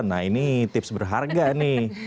nah ini tips berharga nih